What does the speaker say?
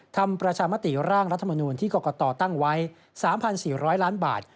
ทำประชามติร่างรัฐมนูลที่กรกตตั้งไว้๓๔๐๐ล้านบาท